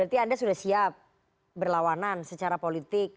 berarti anda sudah siap berlawanan secara politik